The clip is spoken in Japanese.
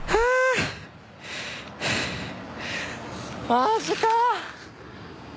マジか。